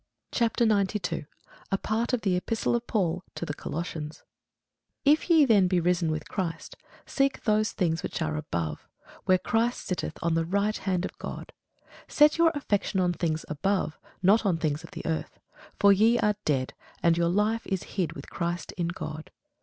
CHAPTER 92 A PART OF THE EPISTLE OF PAUL TO THE COLOSSIANS IF ye then be risen with Christ, seek those things which are above, where Christ sitteth on the right hand of God. Set your affection on things above, not on things on the earth. For ye are dead, and your life is hid with Christ in God.